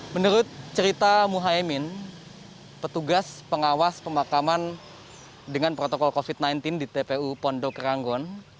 menurut cerita muhaymin petugas pengawas pemakaman dengan protokol covid sembilan belas di tpu pondok ranggon